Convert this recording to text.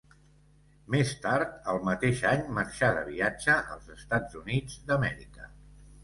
Més tard, al mateix any, marxà de viatge als Estats Units d'Amèrica.